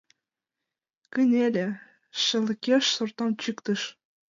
Кынеле, шелыкеш сортам чӱктыш.